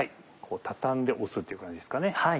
畳んで押すっていう感じですかね。